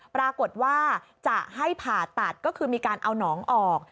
ปรากฏว่าจะให้ผ่าตัดก็คือมีการเอาน้องออก